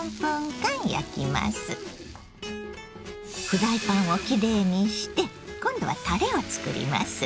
フライパンをきれいにして今度はたれをつくります。